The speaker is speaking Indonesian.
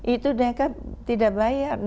itu mereka tidak bayar